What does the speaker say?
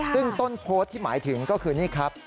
ซึ่งต้นโพสต์ที่หมายถึงก็คือนี่ครับ